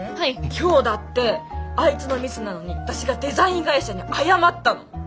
今日だってあいつのミスなのに私がデザイン会社に謝ったの。